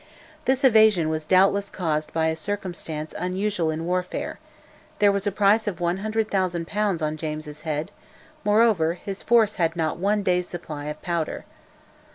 This evasion was doubtless caused by a circumstance unusual in warfare: there was a price of 100,000 pounds on James's head, moreover his force had not one day's supply of powder.